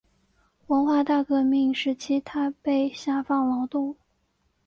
文化大革命时期他被下放劳动。